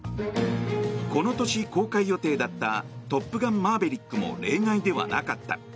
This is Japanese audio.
この年、公開予定だった「トップガンマーヴェリック」も例外ではなかった。